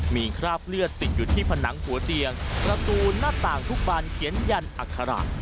มีคราบเลือดติดอยู่ที่ผนังหัวเตียงประตูหน้าต่างทุกบานเขียนยันอัคระ